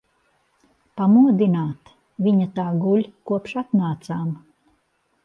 Pamodināt? Viņa tā guļ, kopš atnācām.